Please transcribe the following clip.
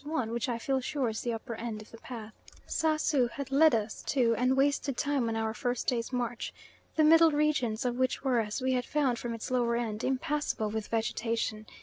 one, which I feel sure is the upper end of the path Sasu had led us to and wasted time on our first day's march; the middle regions of which were, as we had found from its lower end, impassable with vegetation.